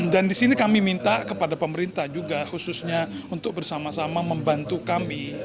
dan di sini kami minta kepada pemerintah juga khususnya untuk bersama sama membantu kami